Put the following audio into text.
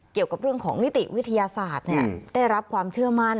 เกี่ยวกับเรื่องของนิติวิทยาศาสตร์ได้รับความเชื่อมั่น